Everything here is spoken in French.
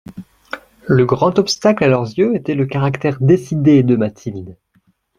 Le grand obstacle, à leurs yeux, était le caractère décidé de Mathilde.